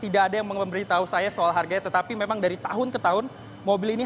tidak ada yang memberitahu saya soal harganya tetapi memang dari tahun ke tahun mobil ini